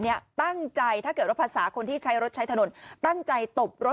ตั้งใจถ้าเกิดว่าภาษาคนที่ใช้รถใช้ถนนตั้งใจตบรถ